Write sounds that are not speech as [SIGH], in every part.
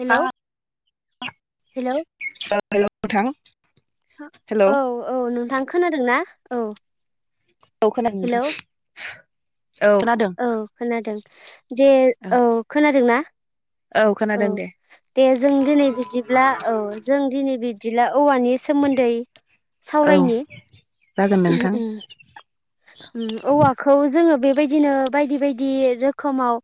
Hello hello हेल'‌ अथां औ औ नोंथां खोनादोंना? औ ओ खोनादों हेलौ नोंथां। खोनादों औ खोनादों। दे औ खोनादों ना? औ खोनादों दे दे जों दिनै बिदिब्ला औ जों दिनै बि [UNINTELLIGIBLE] औवानि सोमोन्दै औ सावरायनि जागोन नोंथां अम उम औवाखौ जोङो बे बेबायदिनो बायदि बायदि रोखोमाव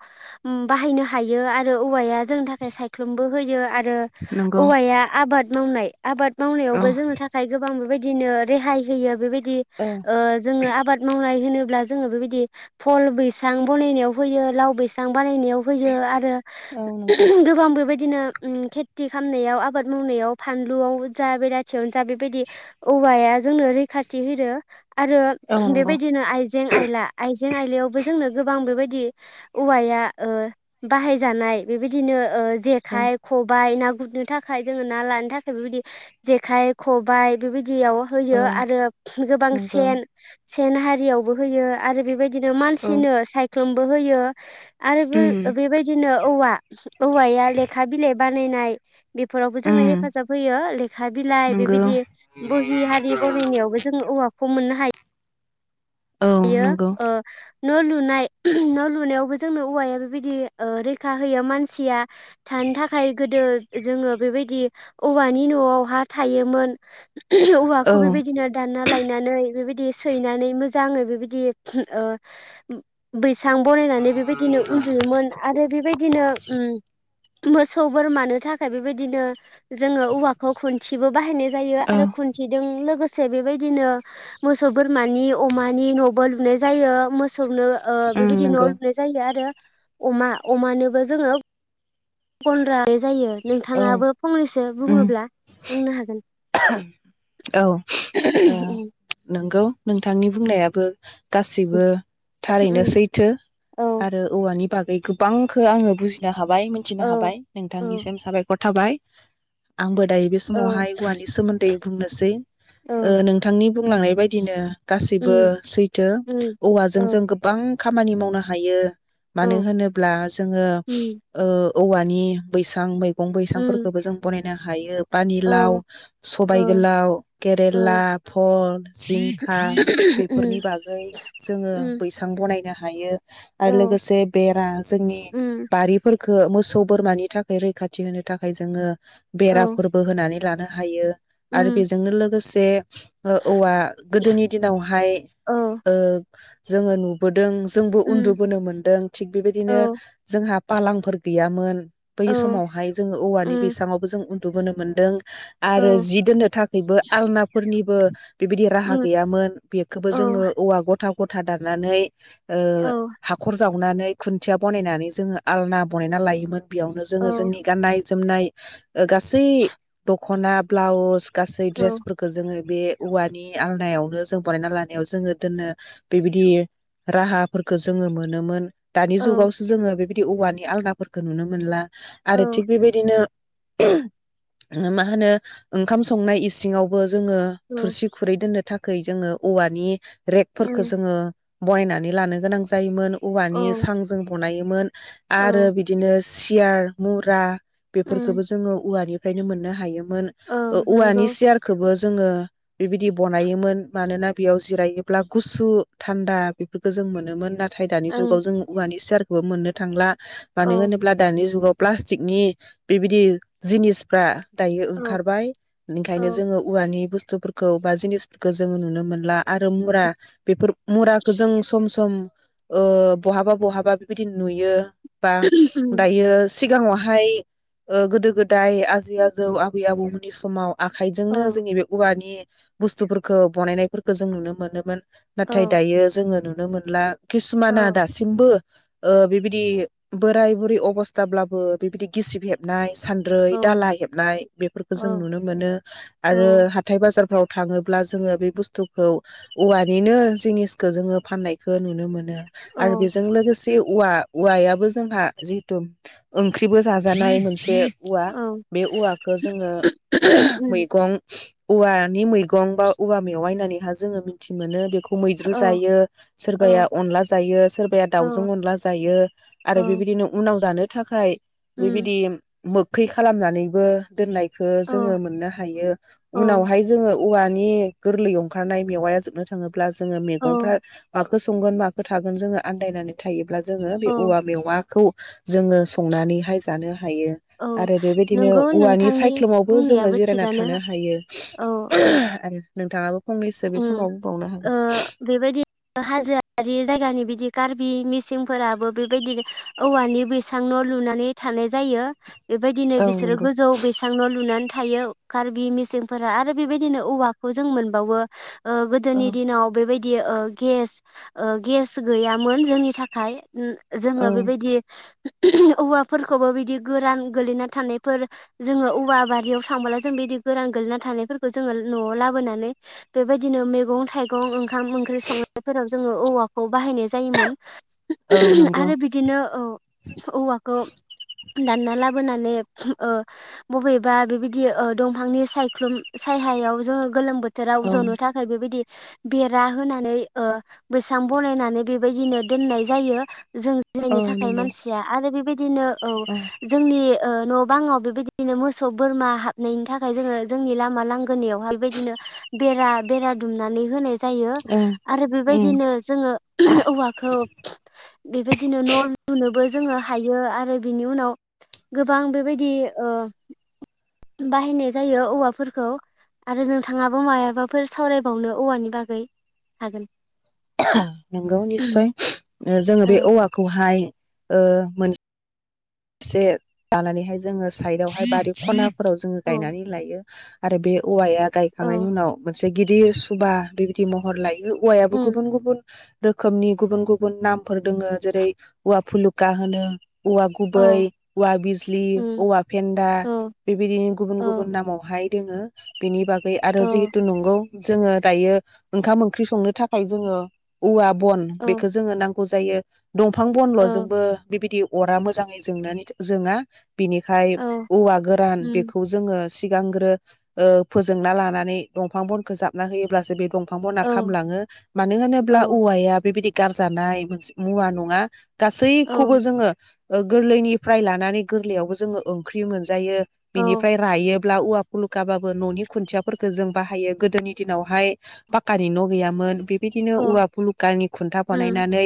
बाहायनो हायो आरो औवाया जोंनि थाखाय सायख्लुमबो होयो आर रो नंगौ औवाया आबाद मावनाय आबाद औ मावनायावबो जोंनि थाखाय गोबां बेबायद दिनो रेहाय होयो बेबायद दि औ ओ जोंनि आबाद मावनाय होनो ब्ला जोंङो बेबायदि फल बैसां बनायाव होमो लाव बैसां बानायनायाव होयो आरो औ नंगौ गोबां बेबाय दिनोम उम खेथि खालामनायाव आबाद मावनायाव फानलुआव जा बेला यावनो जा बेबायदि औवाया जोंनो रैखाथि हैरो आरो औ नंगौ बेबायदिनो आइजें आयला आइजें आइलायावबो जोंनो गोबां बेबायदि औवाया ओ बाहायजानाय बेबायदिनो ओ औ जेखाइ, खबाइ ना हमनो थाखाय जोङो ना लानो थाखाय बेबायदि जेखाइ खबाइ बेबाय दियाव औ होयो आरो गोबां नंगौ सेन सेन हारियावबो होयो आरो बेबाय दिनो औ मानसिनो साय ख्लोमबो होयो आरो बो उम बेबायदिनो औवा औवाया लेखा बिलाइ बानायनाय बेफोरावबो जोंनो उम हेफाजाब होयो लेखा बिलाइ नंगौ बेबायदि बोहि हारि बनायनायावबो जों औवा खौ मोननो हा औ यो नंगौ ओ न' लुनाय न' लुनायावबो जोंनो औवाया बेबायदि रैखा होयो मानसिया थानो थाखाय गोदो जोङो बेबायदि औवानि न'आवहा थायोमोन औ औवाखौ बेबायदिनो दानना लायना नानै बेबायदि सैनानै मोजां जाङै बेबायदि ओ बै सां बानायनानै बेबायदिनो उन्दुयोमोन आरो बेबायदिनो मोसौ बोरमानो थाखाय बेबायदिनो जोङो औवाखौ खुन्थिबो बाहायनाय जायो औ आरो खुन्थिदों लोगोस से बेबायदिनो मोसौ बोरमानि अमानि न'बो लुनाय जायो मोस सौनो ओ उम बेबायदि न' नंगौ लुनाय जायो आरो अमा अमानोबो जोङो गनद्रा लुनाय जायो औ नोंथाङाबो फंनैसो उम बुङोब्ला बुंनो हागोन औ ओ नंगौ नोंथांनि बुंनायाबो गासिबो थारैनो उम सैथो औ आरो औवानि बाग बे गोबांखो आङो बुजिनो हा हाबाय औ मिथिनो हाबाय औ नोंथांनिसिम साबायखर थाबाय आंबो दायो बे औ समावहाय औवानि सोमोन्दै बुंनोसै ओ औ नोंथांनि बुंलांनाय बायदिनो गासैबो उम सैथो उम औ औवाजों जों गोबां खामानि मावनो हायो औ मानो होनोब्ला जोङो उम ओ औवानि बैसां मैग गं बैसां उम फोरखौबो जों बनाय नों हायो बा ने औ औ सबाइ गोलाव औ केरेला भल जिंखा बेफोरनि उम बागै जोङो उम बैसां बनायनो हा हायो आरो औ लोगोसे बेरा जोंनि उम बारि फोर मोसौ बोरमानि थाखाय रैखाथि होनो थाखाय जोङो औ बेराफोरबो होनानै लानो हायो। आरो उम बेजोंनो लोगोसे बे ओ औवा गोदोनि दिनावहाय औ ओ जोङो नुबोद जों जोंबो उम उन्दुबोनो मोनदों थिग औ बेबायदिनो जोंहा फालांफोर गैयामोन बै औ समावहाय जोङो औवानि उम बैसामावबो जों नुबोनो मोनदों। औ आरो जि दोननो थाखायबो आलनाफोरनिबो [INAUDIBLE] बेबायदि राहा उम गैयामोन बेखौबो औ जोङो औवा गथा गथा दाननानै ओ औ हाखर जावनानै खुन्थिया बनायनानै जोङो आलना बनायना लायोमोन। बेयावनो औ जोङो जोंनि गानाय जोमनाय गासै दाखना ब्लाउस गासै ड्रेस औ फोरफोरखो जोङो बे औवानि आलनायावनों जों बरानायना लानायाव जोङो दोननो बेबायदि राहाफोरखौ जोङो मोनोमोन। दानि जुगावसो जोङो बि बिदि औवानि आलदाफोरखौ नुनो मोनला। औ आरो थिग बेबायदिनो [INAUDIBLE] मा होनो ओंखाम संनाय इसिङावबो जोङो थुरसि खुरै दोननो थाखाय जोङो औवानि रेकफोरखौ उम जोङो बायनानै लानो गोनां जायोमोन। औ औवानि सांजों बनायो मोन। आरो औ बिदिनो सियार मुरा उम बेफोरखौबो जोङो औवानि फायनो मोनो मोननो हायो मोन औ वानि नंगौ सियारखोबो जोङो बेबायदि बनायोमोन मानोना बेयाव जिरायोब्ला गुसु थान्दा बेफोरखौ जों मोनोमोन ना थाय दानि ओं जुगाव जों औवानि सियार मोननो थांला। मानो औ होनोब्ला दानि जुगाव प्लास्टिकनि बेबायदि जिनिसफ्रा दायो औ ओंखारबाय बेनिखायनो औ जोंङो औवानि बुस्थु बुस्थुफोरखौ बा जिनिसफोरखौ जोंङो नुनो मोनला आरो मुरा बेफोर मुराखौ जों सम सम ओ बहाबा बहाबा बेबायदि नुयो। बा उम दायो सिगाङावहाय गोदो गोदाय आजै आजौ जौ आबै आबौमोननि समाव औ आखाइजोंनो जोंनि बे औवानि बुस्थुफोरखौ बनायनायफोरखौ जों नुनो मोनोमोन। औ नाथाय दायो जोंङो नुनो नुनो मोनला औ किसुमाना दासिमबो ओ बिबायदि बोराय बुरै अबस्थाब्लाबो बिबायदि गिसिब हेबनाय सान्द्रै औ दालाा हेब नाय बेफोरखौ जों औ नुनो मोनो औ आरो हाथाय बाजारफ्राव थाङोब्ला जोंङो बे बुस्थुखौ औवानिनो जिनिसखौ जोंङो फाननायखौ नुनो मोनो आरो बेजों लोगोसे औवा औवायाबो जोंहा जितु ओंख्रिबो जाजानाय मोनसे औवा बे औवाखौ जोंङो उम मैगं औवानि मै गं बा औवा मेवाय होननानै जोंङो मिथि मोनो बेखौ मैद्रु औ जायो औ सोरबाया अनला जायो सोरबाया औ दाउजों अनला जायो आरो बेबायदिनो उनाव जानो थाखाय बि उम बायदि मोखै खालामनानै बो दोननाय खौ औ जोंङो मोननो हायो उनावहाय जोंङो औवानि गोरलै ओंखारनाय मेवाया जोबनो थाङोब्ला जोंङो मैगंफोर माखो संगोन मखो थागोन जोंङो आन्दायनानै थायो। अब्ला जोंङो बे औ औवा मेवा खौ जोंङो संनानैहाय जानो हायो औ आरो बेबायदिनो नंगौ औवानि नोंथांनि सायख्लुमावबो जोंङो बुंनायाबो जिरायना थिगानो थानो हायो औ औ आरो नोंथाङाबो फंनैसो बे उम समाव बुंनो ओ हागोन। बेबायदि हाजोआरि जायगानि बिदि कार्बि मिसिंफोराबो बेबायदि औवानि बैसां न' लुनानै थानाय जायो। बेबायदिनो औ बिसोरो नंगौ गोजौ बैसां न' लुनानै थायो कार्बि मिसिंफोरा आरो बेबायदिनो औवाखौ जों मोनबावो। ओ औ गोदोनि दिनाव बेबाय दि ओ गेस ओ गेस गैयामोन जोंनि थाखाय [UNINTELLIGIBLE] जोङो औ बेबायदि [UNINTELLIGIBLE] औवाफोरखौबो बिदि गोरान गोलैना थानायफोर जोङो औवा बारियाव थांबोला जों बिदि गोरान गोलैना थानायफोरखौ जोङो न'आव लाबोनानै बेबायदिनो मैगं थाइगं ओंखाम ओंख्रि संनायफोराव जोङो औवाखौ बाहायनाय जायोमोन। [UNINTELLIGIBLE] नंगौ आरो बिदिनो औ औवाखौ दानना लाबोनानै ओ बबेबा बेबायदि ओ दंफांनि सायख्लुम सायहायाव जोङो गोलोम बोथोर औ ज'नो थाखाय बेबायदि बेरा होनानै ओ बैसां बनायनानै बेबायदिनो दोननाय जायो। जों औ जिरायनो थाखाय नंगौ मानसिया आरो बेबायदिनो औ जोंनि ओ न' बाङाव बेबायदिनो मोसौ बोरमा हाबनायनि थाखाय जोङो जोंनि लामा लांगोनायावहाय बेबायदिनो बेरा बेरा दुमनानै होनाय जायो ओं आरो ओं बेबायदिनो जोङो औवाखौ बेबायदिनो न' लुनोबो जोङो हायो आरो बिनि उनाव गोबां बेबायदि ओ बाहानाय जायो औवाफोरखौ आरो नोंथाङा मायाबाफोर सावरायबावनो औवानि बागै हागोन। [UNINTELLIGIBLE] नंगौ निस्सय ओ जोङो औ बे औवाखौहाय ओ मोन से लानानैहाय जोङो साइदावहाय बारि ख'नाफोराव जोङो औ गायनानै लायो। आरो बे औवाया गायखांनायनि औ उनाव मोनस गिदिर सुबा बेबायदि महर लायो। औवायाबो उम गुबुन गुबुन रोखोमनि गुबुन गुबुन नामफोर दोङो। जेरै औवा फुलुका होनो औवा औ गुबै औवा बिजलि उम औवा फेन्दा औ बेबायदिनो गुबुन औ गुबुन नामावहाय दोङो बिनि बा गै आरो औ जिहेतु नंगौ। जोङो दायो ओंखाम ओंख्रि संनो थाखाय जोङो औवा बन औ बेखो जोङो नां गौ जायो। दंफां औ बनल'जोंबो बिबायदि अरा मोजां यै जोङा। बिनिखायनो औ औवा गोरान उम बेखौ जोङो सिगांग्रो ओ फोजोंना लानानै दंफां बनखौ जाबना होयोब्लासो बे दं फां बना औ खालामलाङो मानो होनोब्ला औ औवाया बेबायदि गारजानाय मोनसे मुवा नङा। औ गासैखौबो जोङो ओ गोरलैनिफ्राय लानानै गोरलैयावबो जोङो ओंख्रि मोनजायो। औ बिनिफ्राय रायो ब्ला औवा फुलुकाबाबो न'नि खुथियाफोरखो जों बाहायो गोदोनि दिनावहाय पाक्कानि न' गैयामोन बिब बिदिनो औ औवा फुलुकानि खुन्था उम बानाय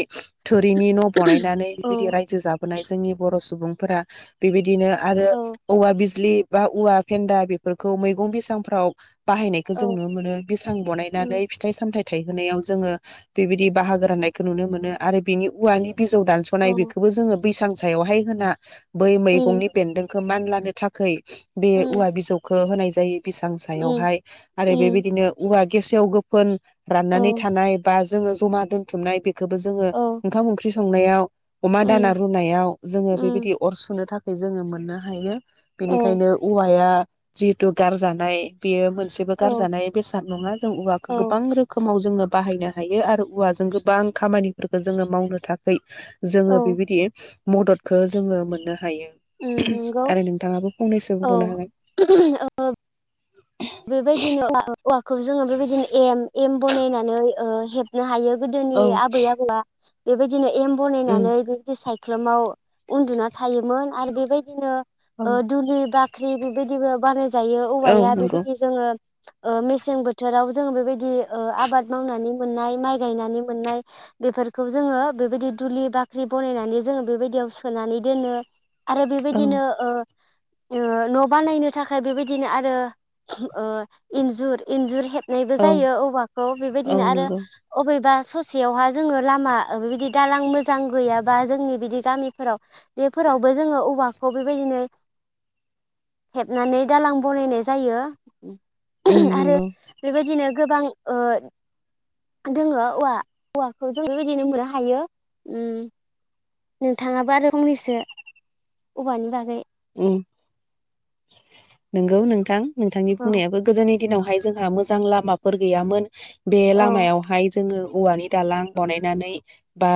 थोरिनि न' बानायनानै औ बिबायदि रायजो जाबो नाय जोंनि ब र' सुबुंफोरा बेबाय दिनो आरो औवा बिजलि बा औवा फेन्दा बेफोरखौ मैगं बैसांफ्राव बाहायनायखौ औ जों नुनो मोनो बैसां उम बनायनानै फिथाइ सामथाय थाइबोनायाव जोङो बेबायदि बाहागो राननायखो नुनो मोनो आरो बिनि औवानि बिजौ औ दानस'नाय बेखौबो जोङो बैसां सायावहाय होना बै उम मैगंनि बेन्दों खो मानलानो थाखाय बे उम औवा बिजौखौ होनाय जायो। बैसां उम सायावहाय आरो उम बेबायदिनो औवा गेसेव- गोफोन राननानै औ थानाय बा जोङो जमा दोनथुमनाय खौबो जोङो औ ओंखाम- ओंख्रि संनायाव अमा उम दाना रुनायाव जोङो उम बेबायदि अर सुनो थाखाय जोङो मोननो हायो औ बेनिखायनो औवाया जिहेथु गारजानाय बेयो औ गारजानाय बेसाद नङा जों औवाखौ औ गोबां रोखोमाव जोङो बाहायनो हायो आरो औवाजों गोबां खामानिफोरखौ जोङो मावनो थाखाय जोङो औ बेबायदि मददखौ जोङो मोनो उम हायो नंगौ आरो नोंथाङाबो फंनैसो बुंबावनो हागोन। औ बेबायदिनो [UNINTELLIGIBLE] खौ जोङो बेबायदिनो एम एम बनायनानै ओ हेबनो हायो गोदोनि औ आबै आबौआ बेबायदिनो एम बनायनानै बेबायदि साइ ख्लुमाव उन्दुना थायोमोन आरो बेबायदिनो उम दुलि बा बाख्रि बेबायदिबो बानाय जायो औ औवाया बे नंगौ ओ मेसें बोथोराव जोङो बेबायदि ओ आबाद मावनानै मोननाय माइ गायनानै मोननाय बेफोरखौ जोङो बेबायदि दुलि बाख्रि बनायनानै जोङो बेबायदियाव सोनानै दोनो। आरो औ बेबायदिनो ओ ओ न' बानायनो थाखाय बेबायदिनो आरो ओ इन्जुर इन्जुर हे नायबो जायो औवाखौ औ बेबायदिनो आरो नंगौ अबेबा ससेयावहा जोङो लामा बेबायदि दालां मोजां गैयाबा जोंनि बिदि गामिफोराव बेफोरावबो जोङो औवाखौ बेबायदिनो हेबनानै दालां बनायनाय जायो। उम आरो नंगौ बेबायदिनो गोबां ओ दोङो औवा औवाखौ जों बेबायदिनो मोननो हायो उम नोंथाङाबो आरो फंनैसो औवानि बागै [INAUDIBLE] नोंगौ नोंथां नोंथांनि औ बुंनायाबो गोदोनि दिनावहाय जोंहा मोजां लामाफोर गैयामोन बे औ लामायावहाय जोङो औवानि दालां बानायनानै बा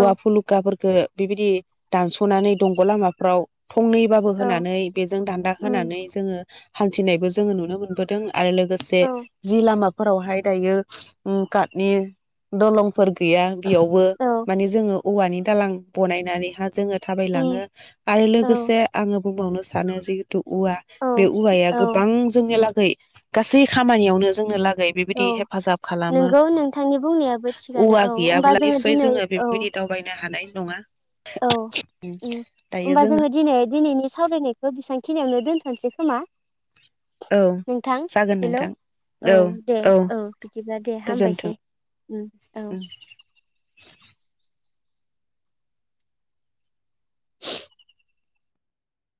औवा फुलुखाफोर बे बिबायदि दानस'नानै दंग' लामाफ्राव थंनैबाबो औ होनानै बेजों दान्दा उम होनानै हान्थिनायबो जोङो नुनो मोनबोदों। आरो लोगोसे औ जि लामा फोरावहाय दायो उम काटनि दलं फोर गैया बेयावबो औ माने जोङो औवानि दालां बनायनानैहा जोङो उम थाबायलाङो आरो औ लोगोसे आङो बुंबावनो सानो जिहेतु औवा औ बे औवाया औ गोबां जोंनि गासै खामानियावनो जोंनो ला बेबायदि औ हेफाजाब खालामो। नोंगौ नोंथांनि बुंनायाबो थिगानो औवा औ होमबा गैयाब्ला निस्य दिनै जोङो औ बेबायदि दावबायनो हानाय नङा औ उम होनोमबा जोङो दिनै दिनैनि सावरायनायखौ बेसां खिनियावनो दोनथ'नोसै खोमा? औ नोंथां जागोन हेलौ नोंथां औ दे औ बिदिब्ला दे गोजोन्थों हामबायसै उम औ।